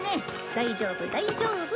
大丈夫大丈夫！